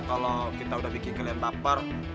kalo kita udah bikin kalian papar